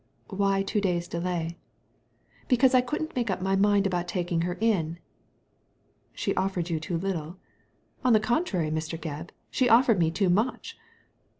" Why two days' delay ?" "Because I couldn't make up my mind about taking her in." « She offered you too little?" 0n the contrary, Mr. Gebb, she offered me too much."